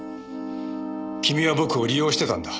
君は僕を利用してたんだ。